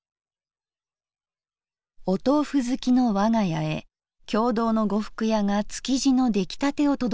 「お豆腐好きのわが家へ経堂の呉服屋が築地の出来たてを届けてくれる。